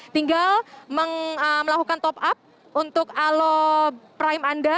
tinggal melakukan top up untuk aloprime anda